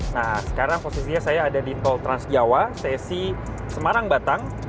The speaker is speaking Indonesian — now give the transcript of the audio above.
nah sekarang posisinya saya ada di tol transjawa sesi semarang batang